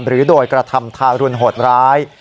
หรือโดยกระทำทารุณโหดร้าย